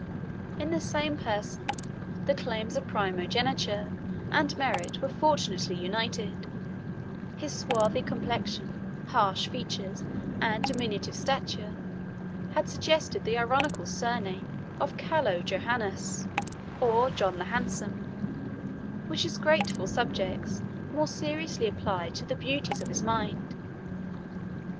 In the same person the claims of primogeniture and merit were fortunately united; his swarthy complexion, harsh features, and diminutive stature, had suggested the ironical surname of Calo Johannes, or John the Handsome, which his grateful subjects more seriously applied to the beauties of his mind.